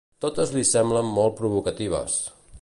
Totes li semblen molt provocatives.